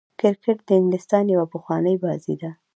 کرکټ د انګلستان يوه پخوانۍ بازي ده.